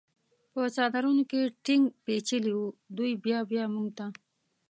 په څادرونو کې ټینګ پېچلي و، دوی بیا بیا موږ ته.